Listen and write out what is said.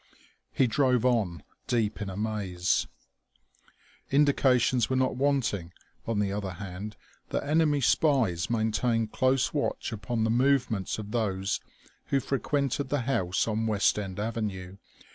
He drove on, deep in amaze. Indications were not wanting, on the other hand, that enemy spies maintained close watch upon the movements of those who frequented the house on West End Avenue.